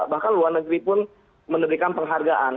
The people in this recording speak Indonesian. bahkan luar negeri pun memberikan penghargaan